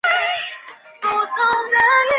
何以速为。